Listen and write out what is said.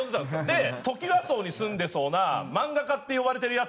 でトキワ荘に住んでそうな「漫画家」って呼ばれてるヤツを。